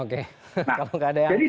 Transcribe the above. oke kalau nggak ada yang lihat